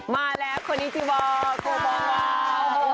มาแล้วควันิจิบอลโคบังวา